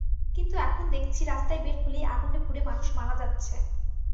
কিন্তু এখন দেখছি রাস্তায় বের হলেই আগুনে পুড়ে মানুষ মারা যাচ্ছে।